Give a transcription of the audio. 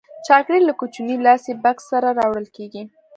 چاکلېټ له کوچني لاسي بکس سره راوړل کېږي.